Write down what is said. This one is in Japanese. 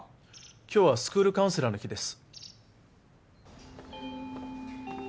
今日はスクールカウンセラーの日です。